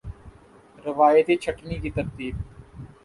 روایتی چھٹنی کی ترتیب